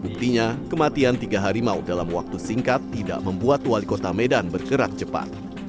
buktinya kematian tiga harimau dalam waktu singkat tidak membuat wali kota medan bergerak cepat